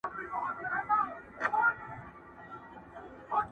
چي یو ځل مي په لحد کي زړګی ښاد کي.!